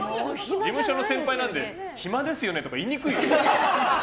事務所の先輩なので暇ですよねとか言いにくいよ。